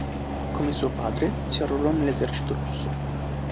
Come suo padre, si arruolò nell'esercito russo.